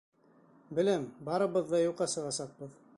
Беләм, барыбыҙ ҙа юҡҡа сығасаҡбыҙ.